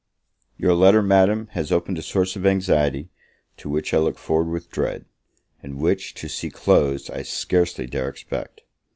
YOUR letter, Madam, has opened a source of anxiety, to which I look forward with dread, and which, to see closed, I scarcely dare expect.